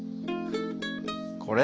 これ？